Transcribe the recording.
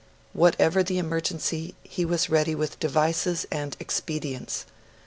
Whatever the emergency, he was ready with devices and expedients.